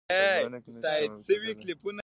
ازموینه کې نشئ کامیابدلی